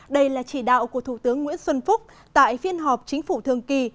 đây là chỉ đạo của thủ tướng nguyễn xuân phúc tại phiên họp chính phủ thường kỳ